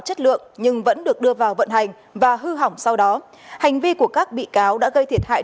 chất lượng nhưng vẫn được đưa vào vận hành và hư hỏng sau đó hành vi của các bị cáo đã gây thiệt hại